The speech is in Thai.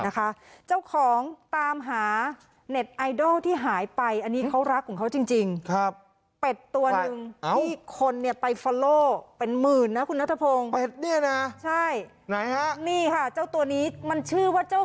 ครับนะคะเจ้าของตามหา